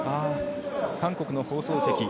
韓国の放送席。